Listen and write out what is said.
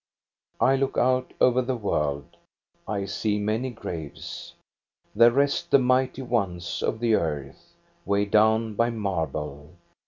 I look out over the world, I see many graves. There rest the mighty ones of the earth, weighed down by marble.